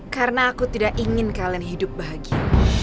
karena aku tidak ingin kalian hidup bahagia